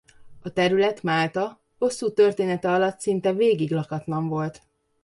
A terület Málta hosszú története alatt szinte végig lakatlan volt.